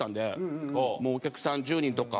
もうお客さん１０人とか。